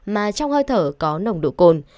mà trong hơi thở có nồng độ cồn